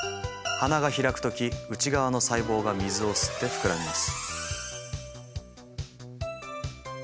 花は閉じる時外側の細胞が水を吸って膨らみます。